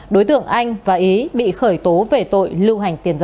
đối tượng anh và ý bị khởi tố về tội lưu hành tiền giả